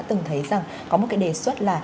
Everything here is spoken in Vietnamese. từng thấy rằng có một cái đề xuất là